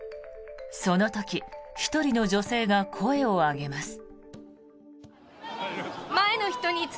その時、１人の女性が声を上げます。